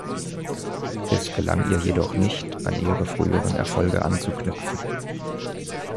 Es gelang ihr jedoch nicht, an ihre früheren Erfolge anzuknüpfen.